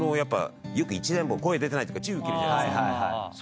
よく１年坊声出てないとか注意受けるじゃないですか。